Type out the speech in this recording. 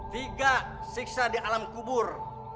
tiga siksa di alam kubur